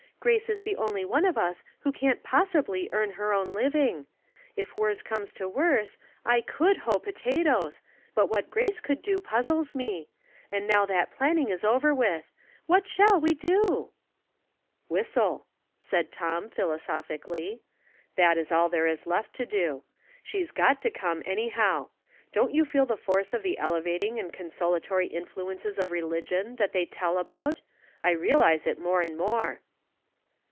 Grace VM the onlv one of ua who can't posaihly earn lier A Discussion Closed. 303 own living. If worse comes to worse, I could hoe potatoes, but what Grace could do pii;^>les me; and now that planning is over with. \\ nat shall we do? "*' Whistle," said Tom, philosophically. '* That is all there is left to do. She's got to come, any how. Don't you feel the force of the elevating and consolatory influences of religion that they tell about? I realize it more and more."